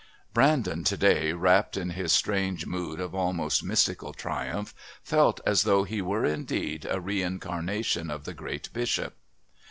Brandon to day, wrapped in his strange mood of almost mystical triumph, felt as though he were, indeed, a reincarnation of the great Bishop.